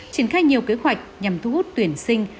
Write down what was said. triển khai nhiều kế hoạch nhằm thu hút tuyển sinh